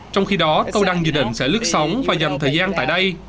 trong khi đó tôi đang dự định sẽ lướt sóng và dành thời gian tại đây